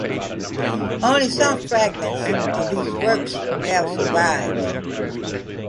Only some fragments of these works have survived.